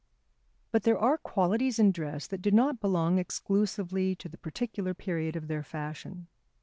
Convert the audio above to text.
But there are qualities in dress that do not belong exclusively to the particular period of their fashion.